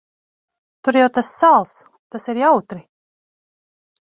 Tur jau tas sāls. Tas ir jautri.